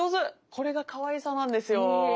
これがかわいさなんですよ。